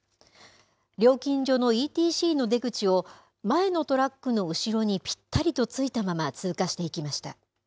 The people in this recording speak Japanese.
料金所のＥＴＣの出口を前のトラックの後ろにぴったりとついたまま通過していきました。